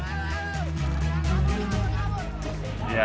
tawuran yang diperlukan oleh kepala sekolah